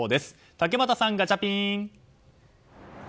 竹俣さん、ガチャピン。